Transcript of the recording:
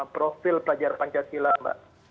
profil pajar pancasila mbak